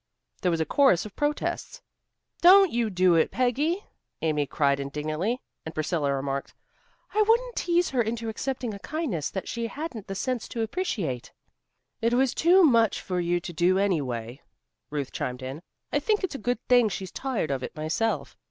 There was a chorus of protests. "Don't you do it, Peggy," Amy cried indignantly. And Priscilla remarked, "I wouldn't tease her into accepting a kindness that she hadn't the sense to appreciate." "It was too much for you to do anyway," Ruth chimed in. "I think it's a good thing she's tired of it, myself."